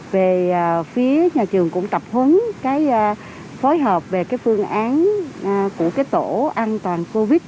về phía nhà trường cũng tập huấn cái phối hợp về cái phương án của cái tổ an toàn covid